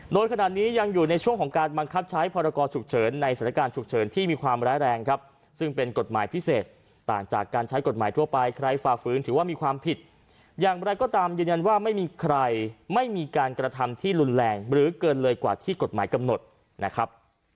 โดยขนาดนี้ยังอยู่ในช่วงของการบังคับใช้พรกรฉุกเฉินในสถานการณ์ฉุกเฉินที่มีความร้ายแรงครับซึ่งเป็นกฎหมายพิเศษต่างจากการใช้กฎหมายทั่วไปใครฝ่าฟื้นถือว่ามีความผิดอย่างไรก็ตามยืนยันว่าไม่มีใครไม่มีการกระทำที่รุนแรงหรือเกินเลยกว่าที่กฎหมายกำหนดนะครับ